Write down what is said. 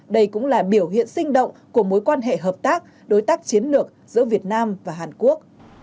đây cũng là biểu hiện sinh động của mối quan hệ hợp tác đối tác chiến lược giữa việt nam và hàn quốc